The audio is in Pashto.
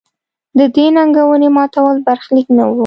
د دې ننګونې ماتول برخلیک نه و.